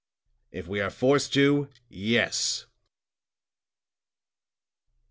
"If we are forced to yes."